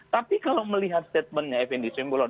tapi kalau melihat statementnya effendi simbolo